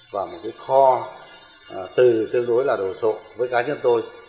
và một cái kho từ tương đối là đồ sộ với cá nhân tôi